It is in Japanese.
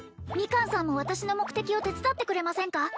ミカンさんも私の目的を手伝ってくれませんか？